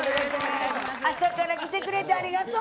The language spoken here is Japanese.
朝から来てくれてありがとう！